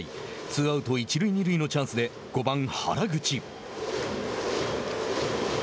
ツーアウト、一塁二塁のチャンスで、５番原口。